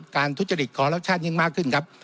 การทุจจติกขอรักชาติยิ่งมากขึ้นครับ